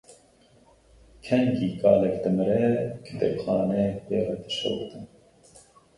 Kengî kalek dimire kitêbxaneyek pê re dişewite.